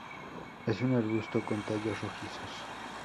Es un arbusto con tallos rojizos.